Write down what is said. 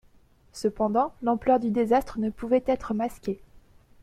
Cependant l'ampleur du désastre ne pouvait être masquée.